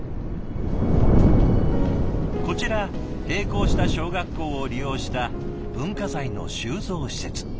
こちら閉校した小学校を利用した文化財の収蔵施設。